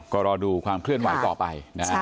ก็รอดูความเคลื่อนไหวต่อไปนะฮะ